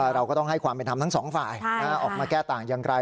เราก็ต้องให้ความเป็นธรรมทั้งสองฝ่ายออกมาแก้ต่างอย่างไร